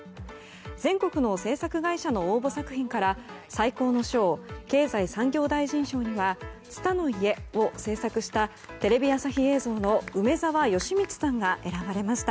全国の制作会社の応募作品から最高の賞経済産業大臣賞には「ツタの家。」を制作したテレビ朝日映像の梅澤慶光さんが選ばれました。